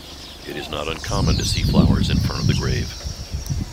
It is not uncommon to see flowers in front of the grave.